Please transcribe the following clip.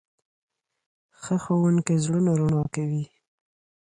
ښه ښوونکی زړونه رڼا کوي.